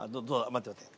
待って待って。